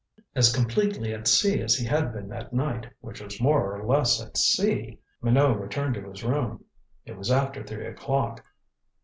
As completely at sea as he had been that night which was more or less at sea Minot returned to his room. It was after three o'clock.